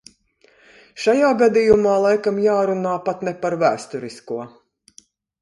Šajā gadījumā laikam jārunā pat ne par vēsturisko.